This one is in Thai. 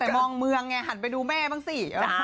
แต่มองเมืองไงหันไปดูแม่บ้างสิ